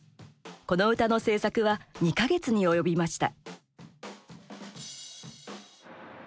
この歌の制作は２か月に及びました。